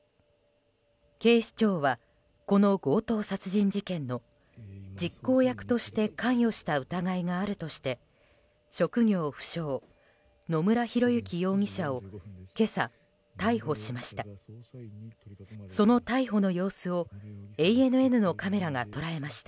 警視庁はこの強盗殺人事件の実行役として関与した疑いがあるとして職業不詳、野村広之容疑者を今朝、逮捕しました。